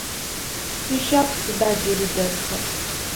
Шъуищагу сыда джыри дэтхэр?